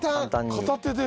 片手で。